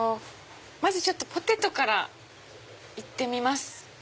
まずポテトから行ってみます。